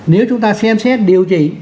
nếu chúng ta xem xét điều chỉ